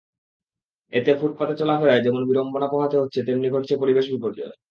এতে ফুটপাতে চলাফেরায় যেমন বিড়ম্বনা পোহাতে হচ্ছে, তেমনি ঘটছে পরিবেশ বিপর্যয়।